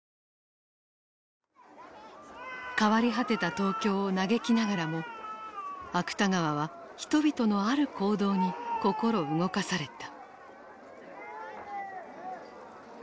変わり果てた東京を嘆きながらも芥川は人々のある行動に心動かされた。